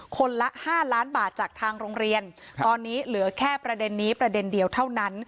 คนละ๕ล้านบาทจากทางโรงเรียนตอนนี้เหลือแค่ประเด็นนี้ประเด็นเดียวเท่านั้น